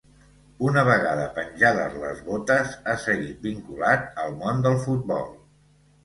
Una vegada penjades les botes, ha seguit vinculat al món del futbol.